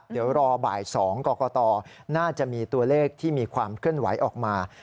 เดี๋ยวรอบ่าย๒กรกตน่าจะมีตัวเลขที่มีความเคลื่อนไหวออกมา